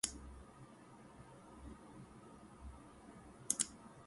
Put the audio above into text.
There are differing opinions in the Israeli public regarding the organization.